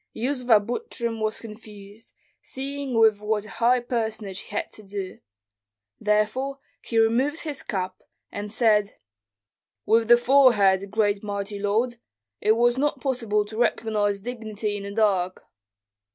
Yuzva Butrym was confused, seeing with what a high personage he had to do; therefore he removed his cap, and said, "With the forehead, great mighty lord. It was not possible to recognize dignity in the dark."